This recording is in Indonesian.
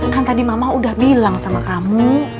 kan tadi mama udah bilang sama kamu